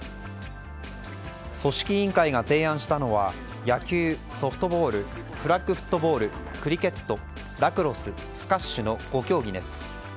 組織委員会が提案したのは野球・ソフトボールフラッグフットボールクリケットラクロススカッシュの５競技です。